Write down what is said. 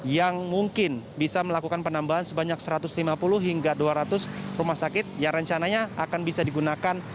yang mungkin bisa melakukan penambahan sebanyak satu ratus lima puluh hingga dua ratus rumah sakit yang rencananya akan bisa digunakan